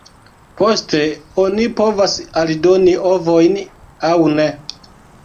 Poste oni povas aldoni ovojn aŭ ne.